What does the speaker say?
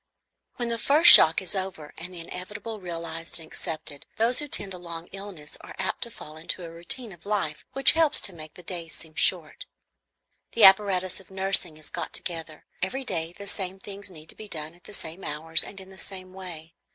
When the first shock is over and the inevitable realized and accepted, those who tend a long illness are apt to fall into a routine of life which helps to make the days seem short. The apparatus of nursing is got together. Every day the same things need to be done at the same hours and in the same way.